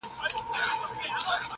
دا بېچاره به ښـايــي مــړ وي